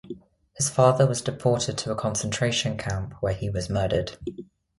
His father was deported to a concentration camp, where he was murdered.